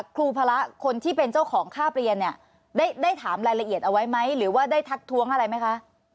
ครูพระคนที่เป็นเจ้าของค่าเปลี่ยนเนี่ยได้ถามรายละเอียดเอาไว้ไหมหรือว่าได้ทักท้วงอะไรไหมคะ